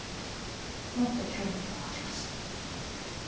もっと興味が湧きました。